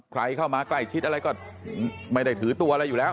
ใครเข้ามาใกล้ชิดอะไรก็ไม่ได้ถือตัวอะไรอยู่แล้ว